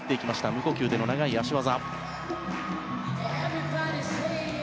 無呼吸での長い脚技。